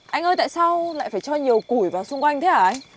anh ơi tại sao lại phải cho nhiều củi vào xung quanh thế hả anh